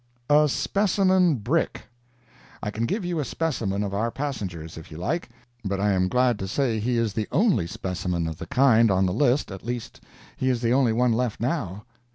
A SPECIMEN BRICK I can give you a specimen of our passengers, if you like, but I am glad to say he is the only specimen of the kind on the list at least he is the only one left now.